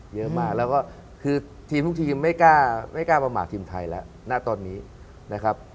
เยอะมากแล้วก็คือทีมทุกทีมไม่กล้าประมาททีมไทยแล้วณตอนนี้นะครับ